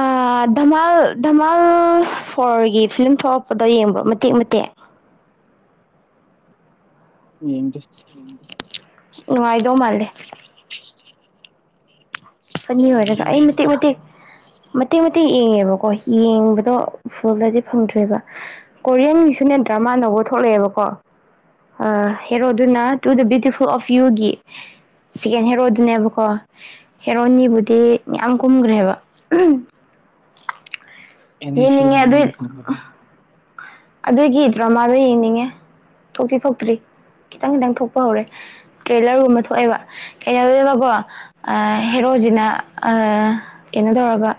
ꯑ ꯙꯃꯥꯜ ꯙꯃꯥꯜ ꯐꯣꯔꯒꯤ ꯐꯤꯂꯝ ꯊꯣꯛꯂꯛꯄꯗꯣ ꯌꯦꯡꯕ꯭ꯔ ꯃꯇꯦꯛ ꯃꯇꯦꯛ ꯌꯦꯡꯗꯦ ꯅꯨꯡꯉꯥꯏꯗꯧ ꯃꯥꯂꯦ ꯐꯅꯤ ꯑꯣꯏꯔꯒ ꯌꯦꯡꯕꯤꯌꯣ ꯑꯩ ꯃꯇꯦꯛ ꯌꯦꯡꯕꯤꯌꯣ ꯃꯇꯦꯛ ꯃꯇꯦꯛ ꯃꯇꯦꯛ ꯌꯦꯡꯉꯦꯕꯀꯣ ꯌꯦꯡꯕꯗꯣ ꯐꯨꯜꯗꯗꯤ ꯐꯪꯗ꯭ꯔꯦꯕ ꯀꯣꯔꯤꯌꯟꯒꯤꯁꯨꯅꯦ ꯗ꯭ꯔꯃꯥ ꯅꯧꯕ ꯊꯣꯛꯂꯛꯑꯦꯕꯀꯣ ꯍꯦꯔꯣꯗꯨꯅ ꯇꯨ ꯗ ꯕ꯭ꯌꯨꯇꯤꯐꯨꯜ ꯑꯣꯐ ꯌꯨꯒꯤ ꯁꯦꯀꯦꯟ ꯍꯦꯔꯣꯗꯨꯅꯦꯕꯀꯣ ꯍꯦꯔꯣꯅꯤꯕꯨꯗꯤ ꯃꯌꯥꯝ ꯀꯨꯝꯈ꯭ꯔꯦꯕ ꯑꯦꯅꯤ ꯐꯤꯂꯝ ꯌꯦꯡꯅꯤꯡꯉꯦ ꯑꯗꯨꯏ ꯑꯩꯉꯣꯟꯗ ꯐꯪꯒꯅꯤ ꯑꯗꯨꯒꯤ ꯗ꯭ꯔꯃꯥꯗꯣ ꯌꯦꯡꯅꯤꯡꯉꯦ ꯊꯣꯛꯇꯤ ꯊꯣꯛꯇꯔꯤ ꯈꯤꯇꯪ ꯈꯤꯇꯪ ꯊꯣꯛꯄ ꯍꯧꯔꯦ ꯇ꯭ꯔꯦꯂꯔꯒꯨꯝꯕ ꯊꯣꯛꯑꯦꯕ ꯀꯩꯋꯎꯋꯦꯕꯀꯣ ꯍꯦꯔꯣꯖꯤꯅ ꯑ ꯀꯩꯅꯣ ꯇꯧꯔꯒ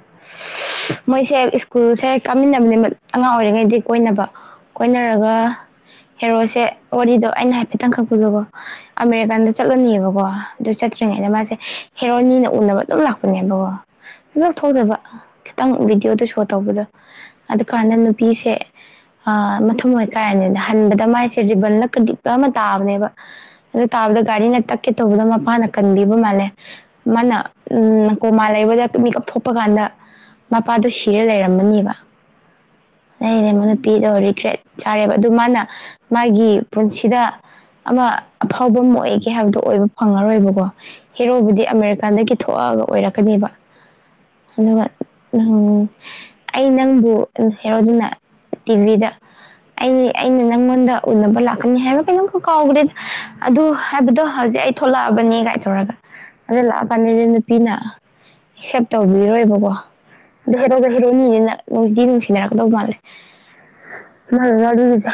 ꯃꯣꯏꯁꯦ ꯁ꯭ꯀꯨꯜꯁꯦ ꯀꯥꯃꯤꯟꯅꯕꯅꯦꯕꯥ ꯑꯉꯥꯡ ꯑꯣꯏꯔꯤꯉꯩꯗꯩ ꯀꯣꯏꯅꯕ ꯀꯣꯏꯅꯔꯒ ꯍꯦꯔꯣꯁꯦ ꯋꯥꯔꯤꯗꯣ ꯑꯩꯅ ꯍꯥꯏꯐꯦꯠꯇꯪ ꯈꯛꯄꯤꯗꯀꯣ ꯑꯃꯦꯔꯤꯀꯥꯟꯗ ꯆꯠꯂꯅꯤꯕꯀꯣ ꯑꯗꯨ ꯆꯠꯇ꯭ꯔꯤꯉꯩꯗ ꯃꯥꯁꯦ ꯍꯦꯔꯣꯅꯤꯅ ꯎꯅꯕ ꯑꯗꯨꯝ ꯂꯥꯛꯄꯅꯦꯕꯀꯣ ꯑꯗꯨꯝ ꯊꯣꯛꯇꯕ ꯈꯤꯇꯪ ꯚꯤꯗꯤꯑꯣꯗ ꯁꯣ ꯇꯧꯕꯗꯣ ꯑꯗꯨꯀꯥꯟꯗ ꯅꯨꯄꯤꯁꯦ ꯑ ꯃꯊꯃꯣꯏ ꯀꯥꯏꯔꯅꯤꯗꯅ ꯍꯟꯕꯗ ꯃꯥꯏꯁꯦ ꯔꯤꯕꯜꯂ ꯀꯗꯤꯞꯂ ꯑꯃ ꯇꯥꯕꯅꯦꯕ ꯑꯗꯨ ꯇꯥꯕꯗ ꯒꯥꯔꯤꯅ ꯇꯛꯀꯦ ꯇꯧꯕꯗ ꯃꯄꯥꯅ ꯀꯟꯕꯤꯕ ꯃꯥꯜꯂꯦ ꯃꯥꯅ ꯎꯝ ꯀꯣꯃꯥ ꯂꯩꯕꯗ ꯃꯤꯀꯞ ꯊꯣꯛꯄ ꯀꯥꯟꯗ ꯃꯄꯥꯗꯣ ꯁꯤꯔ ꯂꯩꯔꯝꯃꯅꯦꯕ [unintelligible] ꯎꯝ ꯅꯨꯄꯤꯗꯣ ꯔꯤꯒ꯭ꯔꯦꯠ ꯆꯥꯔꯦꯕ ꯑꯗꯨ ꯃꯥꯅ ꯃꯥꯒꯤ ꯄꯨꯟꯁꯤꯗ ꯑꯃ ꯑꯐꯥꯎꯕ ꯑꯃ ꯑꯣꯏꯒꯦ ꯍꯥꯏꯕꯗꯣ ꯑꯣꯏꯕ ꯐꯪꯉꯔꯣꯏꯕꯀꯣ ꯍꯦꯔꯣꯕꯨꯗꯤ ꯑꯃꯦꯔꯤꯀꯥꯗꯒꯤ ꯊꯣꯛꯑꯒ ꯑꯣꯏꯔꯛꯀꯅꯦꯕ [unintelligible] ꯑꯩ ꯅꯪꯕꯨ ꯍꯦꯔꯣꯖꯤꯅ ꯇꯤꯚꯤꯗ ꯑꯩ ꯑꯩꯅ ꯅꯪꯉꯣꯟꯗ ꯎꯅꯕ ꯂꯥꯛꯀꯅꯤ ꯍꯥꯏꯕꯔ ꯀꯩꯅꯣꯝ ꯀꯥꯎꯒꯔꯦ ꯑꯗꯨ ꯍꯥꯏꯕꯗꯣ ꯍꯧꯖꯤꯛ ꯑꯩ ꯊꯣꯛꯂꯛꯑꯕꯅꯤ ꯀꯥꯏ ꯊꯧꯔꯒ ꯑꯗꯨ ꯂꯥꯛꯑꯀꯥꯟꯗꯗꯤ ꯅꯨꯄꯤꯅ ꯑꯦꯁꯦꯞ ꯇꯧꯕꯤꯔꯣꯏꯕꯀꯣ [unintelligible] ꯍꯦꯔꯦꯟꯅꯤꯅ ꯅꯨꯡꯗꯤ ꯅꯨꯡꯁꯤꯅꯔꯛꯀꯗꯧ ꯃꯥꯜꯂꯦ ꯃꯥꯏ ꯋꯥꯔꯤꯁꯦ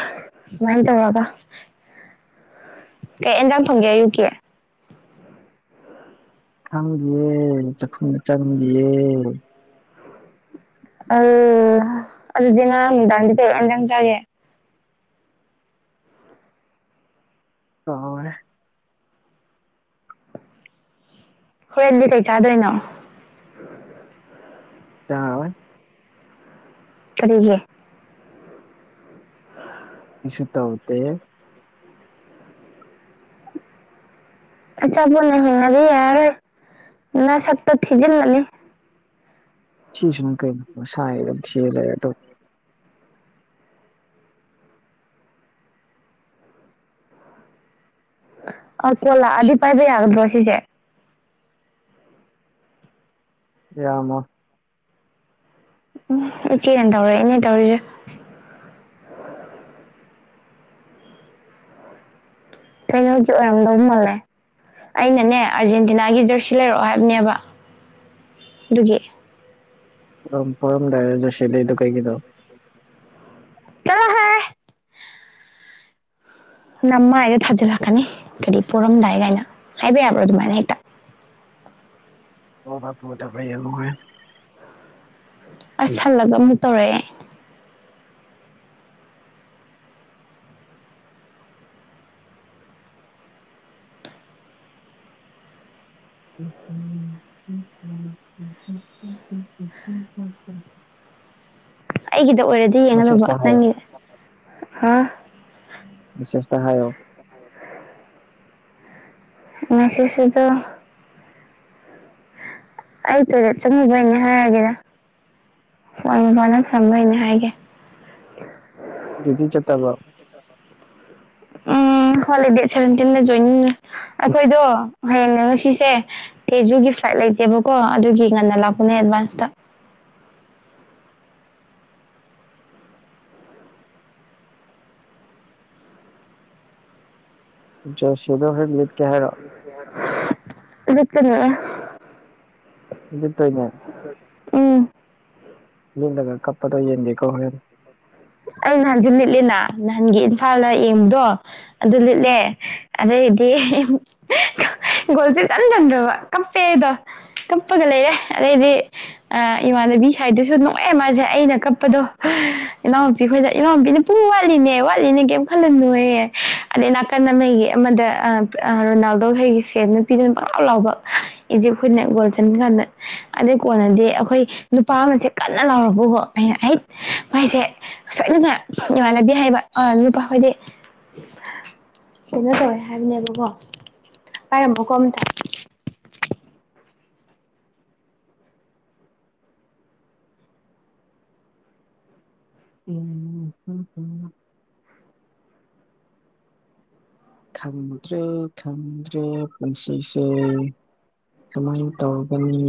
ꯁꯨꯃꯥꯏ ꯇꯧꯔꯒ ꯀꯩ ꯑꯦꯟꯖꯥꯡꯝ ꯊꯣꯡꯒꯦ ꯑꯌꯨꯛꯀꯤ ꯈꯪꯗꯤꯌꯦ ꯆꯥꯛꯈꯨꯝꯗ ꯆꯪꯗꯤꯌꯦ ꯑꯩꯠꯍꯥ ꯑꯗꯨꯗꯤ ꯉꯔꯥꯡ ꯅꯨꯡꯗꯥꯡꯗꯤ ꯀꯔꯤ ꯏꯟꯁꯥꯡ ꯆꯥꯒꯦ [unintelligible] ꯍꯣꯔꯦꯟꯗꯤ ꯀꯩ ꯆꯥꯗꯣꯏꯅꯣ ꯆꯥꯔꯣꯏ ꯀꯔꯤꯒꯤ ꯀꯩꯁꯨ ꯇꯧꯗꯦ ꯑꯆꯥꯕꯣꯠꯅ ꯍꯤꯡꯉꯗꯤ ꯌꯥꯔꯦꯏ ꯅꯥꯁꯛꯇꯣ ꯊꯤꯖꯤꯜꯂꯅꯤ ꯆꯤꯁꯨ ꯀꯩ [unintelligible] ꯑ ꯀꯣꯜ ꯊꯤ ꯂꯛꯑꯗꯤ ꯄꯥꯏꯕ ꯌꯥꯒꯗ꯭ꯔꯣ ꯁꯤꯁꯦ ꯌꯥꯔꯝꯃꯣꯏ ꯎꯝ ꯏꯆꯦꯅ ꯇꯧꯔꯛꯑꯦꯅꯦ ꯇꯧꯔꯤꯁꯦ ꯀꯩꯅꯣꯒꯤ ꯑꯣꯏꯔꯝꯗꯧ ꯃꯥꯜꯂꯦ ꯑꯩꯅꯅꯦ ꯑꯥꯔꯖꯦꯟꯇꯤꯅꯥꯒꯤ ꯖꯔꯁꯤ ꯂꯩꯔꯛꯑꯣ ꯍꯥꯏꯕꯅꯦꯕ ꯑꯗꯨꯒꯤ ꯕꯣꯜ ꯄꯣꯔꯝꯗꯥꯏꯗ ꯖꯔꯁꯤ ꯂꯩꯗꯨ ꯀꯩꯒꯤꯅꯣ ꯆꯠꯂꯣꯍꯦ ꯅꯃꯥꯏꯗꯨꯗ ꯊꯥꯖꯔꯛꯀꯅꯤ ꯀꯔꯤ ꯄꯣꯔꯝꯗꯥꯏ ꯀꯥꯏꯅ ꯍꯥꯏꯕ ꯌꯥꯕ꯭ꯔꯣ ꯑꯗꯨꯃꯥꯏꯅ ꯍꯦꯛꯇ ꯄꯣꯕ ꯄꯣꯗꯕ꯭ꯔꯥ ꯌꯦꯡꯉꯨ ꯍꯨꯔꯦꯟ ꯑꯁ ꯍꯜꯂꯒ ꯑꯃꯨꯛ ꯇꯧꯔꯛꯑꯦ [unintelligible] [unintelligible] [unintelligible] [unintelligible] ꯑꯩꯒꯤꯗ ꯑꯣꯏꯔꯗꯤ ꯌꯦꯡꯉꯗꯧꯕ ꯃꯦꯁꯦꯁꯇ ꯍꯥꯏꯌꯣ ꯅꯪꯒꯤ ꯑ ꯃꯦꯁꯦꯁꯇ ꯍꯥꯏꯌꯣ ꯉꯁꯤꯁꯤꯗꯣ ꯑꯩ ꯇꯣꯏꯂꯦꯠ ꯆꯪꯉꯨꯕꯩꯅꯦ ꯍꯥꯏꯔꯒꯦꯗ ꯐꯣꯟ ꯃꯄꯥꯟꯗ ꯊꯝꯕꯩꯅꯦ ꯍꯥꯏꯔꯒꯦ ꯗ꯭ꯌꯨꯗꯤ ꯆꯠꯇꯕ꯭ꯔꯣ ꯎꯝ ꯍꯣꯂꯤꯗꯦ ꯁꯚꯦꯟꯇꯤꯟꯅ ꯖꯣꯏꯅꯤꯡꯉꯦ ꯑꯩꯈꯣꯏꯗꯣ ꯍꯌꯦꯡꯅꯦ ꯉꯁꯤꯁꯦ ꯇꯦꯖꯨꯒꯤ ꯐ꯭ꯂꯥꯏꯠ ꯂꯩꯇꯦꯕꯀꯣ ꯑꯗꯨꯒꯤ ꯉꯟꯅ ꯂꯥꯛꯄꯅꯦ ꯑꯦꯗꯚꯥꯟꯁꯇ ꯖꯔꯁꯤꯗꯣ ꯍꯦꯔꯦꯟ ꯂꯤꯗꯀꯦ ꯍꯥꯏꯔꯣ [unintelligible] [unintelligible] ꯂꯤꯠꯇꯣꯏꯅꯦ ꯎꯝ ꯂꯤꯜꯂꯒ ꯀꯞꯄꯗꯣ ꯌꯦꯡꯒꯦ ꯀꯣ ꯍꯣꯔꯦꯟ ꯑꯩ ꯅꯍꯥꯟꯁꯨ ꯂꯤꯠꯂꯤꯅ ꯅꯍꯥꯟꯒꯤ ꯏꯝꯐꯥꯜꯗ ꯌꯦꯡꯕꯗꯣ ꯑꯗꯨ ꯂꯤꯠꯂꯦ ꯑꯗꯩꯗꯤ [unintelligible] ꯒꯣꯜꯁꯦ ꯁꯨꯡꯆꯟ ꯆꯟꯗ꯭ꯔꯕ ꯀꯞꯄꯦ ꯑꯩꯗꯣ ꯀꯞꯄꯒ ꯂꯩꯔꯦ ꯑꯗꯩꯗꯤ ꯑ ꯏꯃꯥꯟꯅꯕꯤ ꯁꯥꯏꯗꯨꯁꯨ ꯅꯣꯛꯑꯦ ꯃꯥꯁꯦ ꯑꯩꯅ ꯀꯞꯄꯗꯣ ꯏꯅꯥꯎ ꯅꯨꯄꯤ ꯈꯣꯏꯗ ꯏꯅꯥꯎ ꯅꯨꯄꯤꯅ ꯄꯨꯡ ꯋꯥꯠꯂꯤꯅꯦ ꯋꯥꯠꯂꯤꯅꯦ ꯀꯩꯝ ꯈꯜꯂꯨꯅꯨ ꯌꯦ ꯑꯗꯩ ꯀꯟꯃꯒꯤ ꯑꯃꯗ ꯔꯣꯅꯥꯜꯗꯣꯈꯩꯒꯤ ꯐꯦꯟ ꯅꯨꯄꯤꯗꯨꯅ ꯄꯪꯂꯥꯎ ꯂꯥꯎꯕ ꯏꯖꯤꯞ ꯍꯣꯏꯅ ꯕꯣꯜ ꯆꯟꯕꯀꯥꯟꯗ ꯑꯗꯨ ꯀꯣꯟꯅꯗꯤ ꯑꯩꯈꯣꯏ ꯅꯨꯄꯥ ꯑꯃꯁꯦ ꯀꯟꯅ ꯂꯥꯎꯔꯛꯄ ꯍꯣ ꯑꯩꯅ ꯑꯩ ꯃꯥꯏꯁꯦ ꯁꯣꯏꯗꯅ [unintelligible] ꯍꯥꯏꯕ ꯑꯥ ꯅꯨꯄꯥꯈꯣꯏꯗꯤ ꯀꯩꯅꯣ ꯇꯧꯋꯦ ꯍꯥꯏꯕꯅꯦꯕꯀꯣ ꯄꯥꯏꯔꯝꯃꯣꯀꯣ ꯑꯝꯇ [inaudible] ꯈꯪꯗ꯭ꯔꯦ ꯈꯪꯗ꯭ꯔꯦ ꯄꯨꯟꯁꯤꯁꯦ ꯁꯨꯃꯥꯏꯅ ꯇꯧꯒꯅꯤ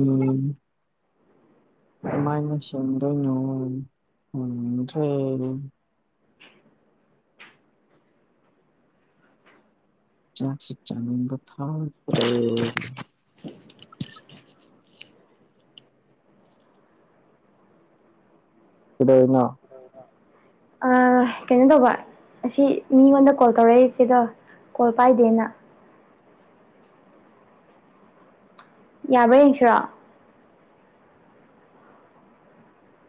ꯀꯃꯥꯏꯅ ꯁꯦꯝꯗꯣꯏꯅꯣ ꯎꯗ꯭ꯔꯦ ꯆꯥꯛꯁꯤ ꯆꯥꯅꯤꯡꯕ ꯐꯥꯎ ꯇꯔꯦ ꯀꯩꯗꯧꯔꯤꯅꯣ ꯑ ꯀꯩꯅꯣ ꯇꯧꯕ ꯑꯁꯤ ꯃꯤꯉꯣꯟꯗ ꯀꯣꯜ ꯇꯧꯔꯛꯏꯁꯤꯗꯣ ꯀꯣꯜ ꯄꯥꯏꯗꯦꯅ ꯌꯥꯕ꯭ꯔꯥ ꯌꯦꯡꯁꯤꯔꯣ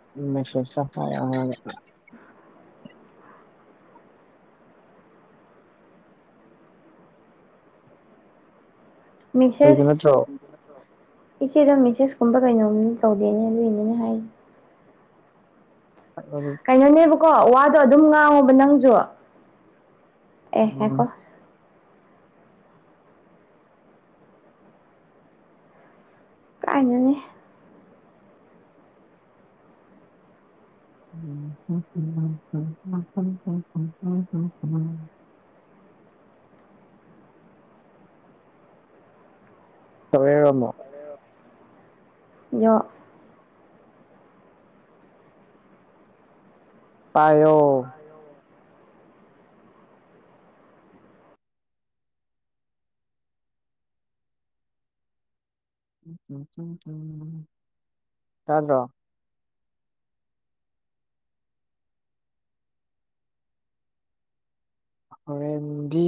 [unintelligible] ꯍꯩꯕ ꯃꯤꯁꯦꯁ ꯅꯠꯇ꯭ꯔꯣ ꯏꯆꯦꯗ ꯃꯦꯁꯦꯁꯀꯨꯝꯕ ꯀꯩꯅꯣꯝ ꯇꯧꯗꯦꯅꯦ ꯑꯗꯨ ꯏꯅꯦꯅꯦ ꯍꯥꯏꯔꯤꯦ [inaudible] ꯀꯩꯅꯣꯅꯦꯕꯀꯣ ꯋꯥꯗꯣ ꯑꯗꯨꯝ ꯉꯥꯡꯉꯣꯕ ꯅꯪꯁꯨ ꯑꯦ ꯍꯥꯏꯀꯣ ꯀꯥꯏꯅꯅꯤ ꯎ [unintelligible] ꯑꯃꯣꯛ ꯌꯣ ꯄꯥꯏꯌꯣ [unintelligible] ꯇꯥꯗ꯭ꯔꯣ ꯍꯣꯔꯦꯟꯗꯤ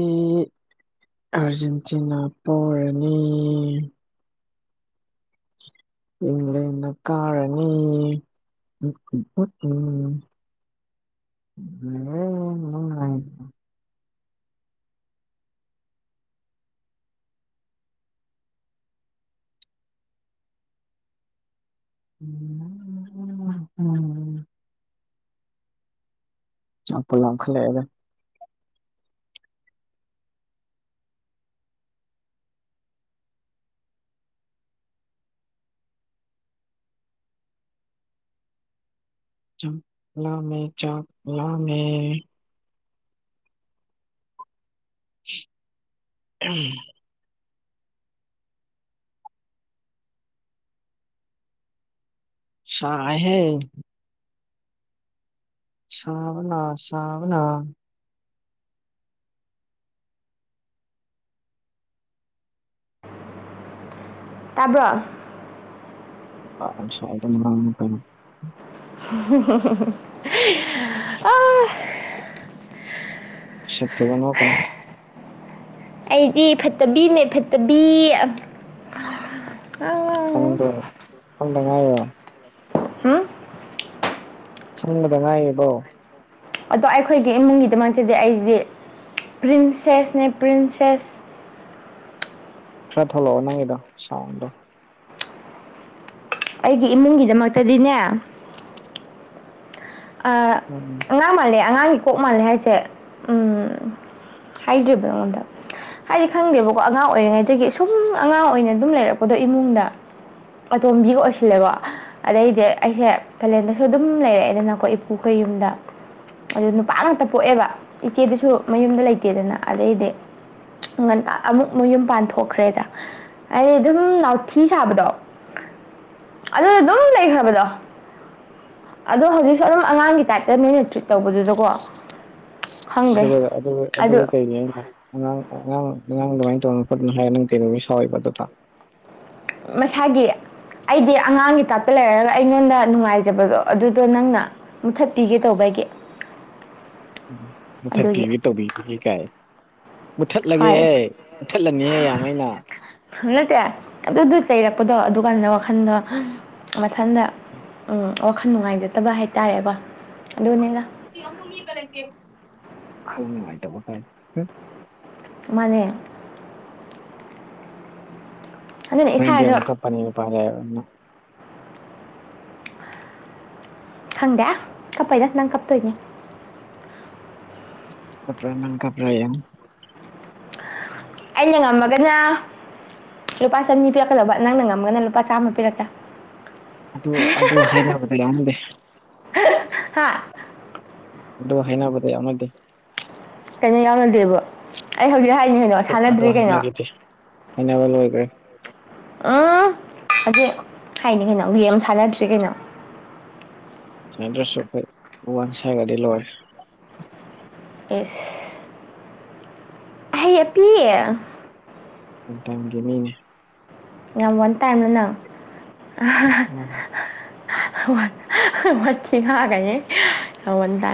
ꯑꯥꯔꯖꯦꯟꯇꯤꯅꯥ ꯄꯣꯔꯅꯤ ꯏꯪꯂꯪꯂꯦꯟꯅ ꯀꯥꯔꯅꯤ ꯎꯝ ꯑꯦ ꯃ ꯎꯝ ꯑꯄꯜ ꯂꯥꯡ ꯈꯜꯂꯦ ꯑꯗꯨ ꯆꯥꯃꯤ ꯆꯥꯛ ꯂꯥꯃꯤ ꯎꯝ ꯁꯥꯍꯦ ꯁꯥꯎꯅ ꯁꯝꯅ ꯇꯥꯕ꯭ꯔꯣ ꯄ ꯍꯥꯏꯣ ꯑ ꯁ ꯇꯣ ꯀ ꯃꯥ ꯑꯩꯗꯤ ꯐꯠꯇꯕꯤꯅꯦ ꯐꯠꯇꯕꯤ ꯅꯪꯕ꯭ꯔꯣ ꯎꯝ ꯈꯗꯉꯣ ꯎꯝ ꯁꯝꯅꯗ ꯉꯥꯏꯌꯦꯕꯧ ꯑꯗꯣ ꯑꯩꯈꯣꯏꯒꯤ ꯏꯃꯨꯡꯒꯤꯗꯃꯛꯇꯗꯤ ꯑꯩꯗꯤ ꯄ꯭ꯔꯤꯟꯁꯦꯁꯅꯦ ꯄ꯭ꯔꯤꯟꯁꯦꯁ ꯈꯔ ꯊꯣꯛꯂꯛꯑꯣ ꯅꯪꯒꯤꯗꯣ ꯁꯥꯎꯟꯗꯣ ꯑꯩꯒꯤ ꯏꯃꯨꯡꯒꯤꯗꯃꯛꯇꯗꯤꯅꯦ ꯑꯥ ꯑꯣ ꯑꯉꯥꯡ ꯃꯥꯜꯂꯦ ꯑꯉꯥꯡꯒꯤ ꯀꯣꯛ ꯃꯥꯜꯂꯦ ꯍꯥꯏꯁꯦ ꯎ ꯍꯥꯏꯗ꯭ꯔꯤꯕ ꯑꯩꯉꯣꯟꯗ ꯍꯥꯏꯗꯤ ꯈꯪꯗꯦꯕꯀꯣ ꯑꯉꯥꯡ ꯑꯣꯏꯔꯤꯉꯩꯗꯒꯤ ꯁꯨꯝ ꯑꯉꯥꯡ ꯑꯣꯏꯅ ꯑꯗꯨꯝ ꯂꯩꯔꯛꯄꯗꯣ ꯏꯃꯨꯡꯗ ꯑꯇꯣꯝꯕꯤꯒ ꯑꯣꯏꯁꯤꯜꯂꯦꯕꯣ ꯑꯗꯩꯗꯤ ꯑꯩꯁꯦ ꯀꯥꯂꯦꯟꯗꯁꯨ ꯑꯗꯨꯝ ꯂꯩꯔꯦꯗ ꯑꯩꯣꯏ ꯏꯄꯨ ꯀꯩ ꯌꯨꯝꯗ ꯑꯗꯨ ꯅꯨꯄꯥ ꯉꯥꯛꯇ ꯄꯣꯛꯑꯦꯕ ꯏꯆꯦꯗꯨꯁꯨ ꯃꯌꯨꯝꯗ ꯂꯩꯇꯦꯗꯅ ꯑꯗꯩꯗꯤ ꯑꯃꯨꯛ ꯃ ꯌꯨꯝ ꯄꯥꯟ ꯊꯣꯛꯣꯛꯈ꯭ꯔꯦꯗ ꯑꯩ ꯑꯗꯨꯝ ꯅꯥꯎꯊꯤ ꯁꯥꯕꯗꯣ ꯑꯗꯨꯗ ꯑꯗꯨꯝ ꯂꯩꯈ꯭ꯔꯕꯗꯣ ꯑꯗꯣ ꯍꯧꯖꯤꯛ ꯑꯗꯨꯝ ꯑꯉꯥꯡꯒꯤ ꯇꯥꯏꯞꯇ ꯅꯣꯏꯅ ꯇ꯭ꯔꯤꯠ ꯇꯧꯕꯗꯨꯗꯀꯣ ꯈꯪꯗꯦ ꯑꯗꯨꯒ ꯑꯗꯨ ꯑꯗꯨꯒ ꯀꯩꯒꯤ ꯑꯩꯅ ꯑꯉꯥꯡ ꯑꯉꯥꯡ ꯑꯉꯥꯡ ꯑꯗꯨꯃꯥꯏꯅ ꯇꯧꯅ ꯈꯣꯠꯅ ꯍꯥꯏꯔ ꯅꯪ ꯀꯩꯅꯧꯕꯒꯤ ꯁꯥꯎꯏꯕ ꯑꯗꯨꯗ ꯃꯁꯥꯒꯤ ꯑꯩꯗꯤ ꯑꯉꯥꯡꯒꯤ ꯇꯥꯛꯞꯇ ꯂꯩꯔꯒ ꯑꯩꯉꯣꯟꯗ ꯅꯨꯡꯉꯥꯏꯖꯕꯗꯣ ꯑꯗꯨꯗꯣ ꯅꯪꯅ ꯃꯨꯊꯠꯄꯤꯒꯦ ꯇꯧꯕꯒꯤ ꯎꯝ ꯑꯗꯨꯒꯤ ꯃꯨꯊꯠꯄꯤꯒ ꯇꯧꯕꯤꯕꯒꯦ ꯀꯥꯏ ꯍꯣꯏ ꯃꯨꯊꯠꯂꯒꯦꯍꯦ ꯃꯨꯠꯊꯠꯂꯅꯤꯍꯦ ꯌꯥꯝ ꯑꯩꯅ ꯅꯠꯇꯦ ꯑꯗꯨꯗ ꯆꯩꯔꯛꯄꯗꯣ ꯑꯗꯨꯀꯥꯟꯗꯅ ꯋꯥꯈꯟꯗꯣ ꯃꯊꯟꯗ ꯎꯝ ꯋꯥꯈꯜ ꯅꯨꯡꯉꯥꯏꯖꯗꯕ ꯍꯥꯏꯇꯥꯔꯦꯕꯣ ꯑꯗꯨꯅꯦꯅ ꯈꯪ ꯅꯨꯡꯉꯥꯏꯇꯕ ꯐꯥꯏ ꯃꯅꯦ ꯑꯗꯨꯅ ꯗꯤ ꯏꯁꯥꯁꯨ ꯃꯛꯠ ꯄꯅꯤ ꯄꯔꯦ ꯈꯪꯗꯦ ꯀꯞꯄꯩꯗ ꯅꯪ ꯀꯞꯇꯣꯏꯅꯦ ꯀꯄ꯭ꯔ ꯅꯪ ꯀꯄ꯭ꯔ ꯌꯥꯝ ꯑꯩꯅ ꯉꯝꯃꯒꯅ ꯂꯨꯄꯥ ꯆꯅꯤ ꯄꯤꯔꯛꯀꯗꯕ ꯅꯪꯅ ꯉꯝꯒꯅ ꯂꯨꯄꯥ ꯆꯥꯝꯃ ꯄꯤꯔꯛꯀ ꯑꯗꯨ ꯑꯗꯨ ꯍꯥꯏꯅꯕꯗ ꯌꯥꯎꯅꯤꯡꯗꯦ ꯍꯥꯥ ꯑꯗꯨ ꯍꯩꯅꯕꯗ ꯌꯥꯎꯅꯗꯤ ꯇꯩꯅ ꯌꯥꯅꯗꯦꯕ ꯑꯩ ꯍꯧꯖꯤꯛ ꯍꯥꯏꯅꯤ ꯀꯩꯅꯣ ꯑꯗꯨ ꯁꯥꯟꯅꯗ꯭ꯔꯤ ꯀꯩꯅꯣ ꯍꯥꯏꯅꯈꯤꯗꯦ ꯍꯥꯏꯅꯕ ꯂꯣꯏꯈ꯭ꯔꯦ ꯎꯝ ꯍꯧ ꯍꯥꯏꯅꯤ ꯀꯩꯅꯣ ꯑꯃ ꯁꯥꯟꯅꯗ꯭꯭ꯔꯔꯤ ꯀꯩꯅꯣ ꯁꯗ꯭ꯔꯁ ꯁ ꯐꯩ ꯋꯥꯟ ꯁꯥꯏꯒꯒꯥꯗꯤ ꯂ ꯑꯦꯁ ꯑꯩ ꯑꯄꯤ ꯇꯪꯒꯤ ꯃꯤꯅꯤ ꯌꯥꯝ ꯋꯥꯟ ꯇꯥꯏꯝꯅꯅꯪ ꯃ ꯊꯤ ꯍꯥꯏꯦꯟ ꯇ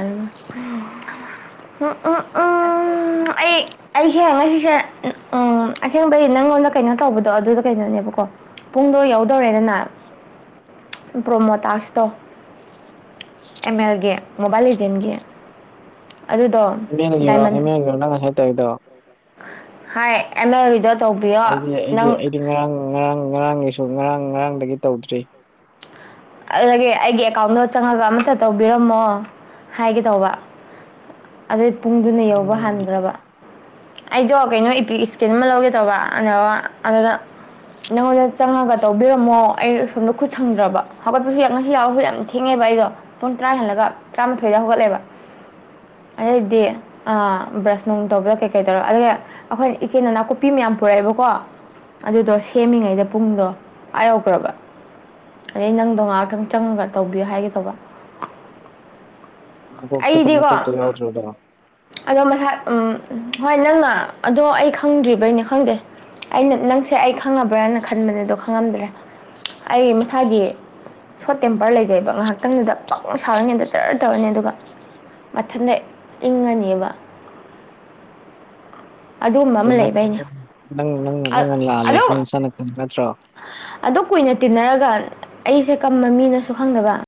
ꯎꯝ ꯎꯝ ꯎꯝ ꯑꯩ ꯑꯩꯁꯦ ꯉꯁꯤꯁꯦ ꯑꯁꯦꯡꯕꯩ ꯅꯪꯉꯣꯟꯗ ꯀꯩꯅꯣ ꯇꯧꯕꯗꯣ ꯑꯗꯨꯗ ꯕꯀꯣ ꯄꯨꯡꯗꯣ ꯌꯎꯗꯧꯔꯦꯗꯅ [unintelligible] ꯄ꯭ꯔꯣꯃꯣ ꯇꯥꯛꯁꯇꯣ ꯑꯦꯝ ꯑꯦꯜꯒꯤ ꯃꯣꯕꯥꯏꯜ ꯑꯦꯖꯦꯟꯒꯤ ꯑꯗꯨꯗꯣ ꯑꯦꯝ ꯑꯦꯒꯤꯔꯣ ꯗꯥꯏꯃꯟ ꯑꯦꯝ ꯑꯦꯒꯤꯔꯣ ꯅꯪ ꯉꯁꯥꯏ ꯇꯧꯔꯤꯗꯣ ꯍꯥꯏ ꯑꯅ ꯍꯗ ꯑꯩꯗꯤ ꯑꯩꯗꯤ ꯑꯩꯗꯤ ꯉꯔꯥꯡ ꯉꯔꯥꯡ ꯉꯔꯥꯡꯒꯤꯁꯨ ꯉꯔꯥꯡ ꯉꯔꯥꯡꯗꯒꯤ ꯇꯧꯗ꯭ꯔꯤ ꯑꯗꯨꯗꯒꯤ ꯑꯩꯒꯤ ꯑꯦꯀꯥꯎꯟꯗꯣ ꯆꯪꯉꯒ ꯑꯃꯠꯇ ꯇꯧꯕꯤꯔꯝꯃꯣ ꯍꯥꯏꯒꯦ ꯇꯧꯕ ꯑꯗꯨ ꯄꯨꯡꯗꯨꯅ ꯌꯧꯕ ꯅꯪꯒꯤ ꯍꯟꯈ꯭ꯔꯕ ꯑꯩꯗꯣ ꯀꯩꯅꯣ ꯏꯄꯤ ꯏꯁꯀꯤꯟ ꯑꯃ ꯂꯧꯒꯦ ꯇꯧꯕ [unintelligible] ꯑꯗꯨꯗ ꯅꯉꯣꯟꯗ ꯆꯪꯉꯒ ꯇꯧꯕꯤꯔꯝꯃꯣ ꯑꯩ ꯁꯣꯝꯗ ꯈꯨꯠ ꯁꯪꯗ꯭ꯔꯕ ꯍꯧꯒꯠꯄꯁꯨ ꯌꯥꯝ ꯉꯁꯤ ꯌꯥꯎꯍꯧꯁꯨ ꯌꯥꯝ ꯊꯦꯡꯉꯦꯕ ꯑꯩꯗꯣ ꯄꯨꯡ ꯇꯔꯥ ꯍꯦꯜꯂꯒ ꯇꯔꯥꯃꯥꯊꯣꯏꯗ ꯍꯧꯒꯠꯂꯦꯕ ꯑꯗꯩꯗꯤ ꯑꯥ ꯕ꯭ꯔꯁ ꯅꯨꯡ ꯇꯧꯕ ꯀꯩꯀꯩ ꯇꯧꯔꯦ ꯑꯗꯒꯤ ꯑꯩꯈꯣꯏ ꯏꯆꯦꯅ ꯅꯥꯀꯨꯞꯄꯤ ꯃꯌꯥꯝ ꯄꯨꯔꯛꯑꯦꯕꯀꯣ ꯑꯗꯨꯗꯣ ꯁꯦꯝꯃꯤꯉꯩꯗ ꯄꯨꯡꯗꯣ ꯑꯥ ꯌꯧꯈ꯭ꯔꯕ ꯑꯗꯩ ꯅꯪꯗꯣ ꯉꯥꯏꯍꯥꯛꯇꯪ ꯆꯪꯉꯒ ꯇꯧꯕꯤꯌꯣ ꯍꯥꯏꯒꯦ ꯇꯧꯕ ꯀꯧ ꯑꯩꯗꯤꯀꯣ ꯀ ꯀꯧꯦ ꯌꯥꯎꯁꯨꯗꯣ ꯑꯗꯣ ꯃꯁꯥ ꯎꯝ ꯍꯣꯏ ꯅꯪꯅ ꯑꯗꯣ ꯑꯩ ꯈꯪꯗ꯭ꯔꯤꯕꯩꯅꯦ ꯈꯪꯗꯦ ꯑꯩꯅ ꯅꯪꯁꯦ ꯑꯩ ꯈꯪꯅꯕ꯭ꯔꯅ ꯈꯟꯕꯅꯦ ꯑꯗꯣ ꯈꯪꯉꯝꯗ꯭ꯔꯦ ꯑꯩ ꯃꯁꯥꯒꯤ ꯁꯣꯔꯠ ꯇꯦꯝꯄꯔ ꯂꯩꯖꯩꯕ ꯉꯥꯏꯍꯥꯛꯇꯪꯗꯨꯗ ꯄꯪ ꯁꯥꯔꯅꯤꯗ ꯇꯔ ꯇꯧꯔꯅꯤ ꯑꯗꯨꯒ ꯃꯊꯟꯇ ꯏꯪꯉꯅꯦꯕ ꯑꯗꯨꯒꯨꯝꯕ ꯑꯃ ꯑꯗꯨꯅ ꯂꯩꯕꯩꯅꯦ ꯅꯪꯅ ꯂꯥꯛꯜꯂ ꯅꯪ ꯁꯥꯟꯅꯀꯗ ꯅꯠꯇ꯭ꯔꯣ ꯑꯗꯨ ꯀꯨꯏꯅ ꯇꯤꯟꯅꯔꯒ ꯑꯩꯁꯦ ꯀꯝꯕ ꯃꯤꯅꯁꯨ ꯈꯪꯗꯕ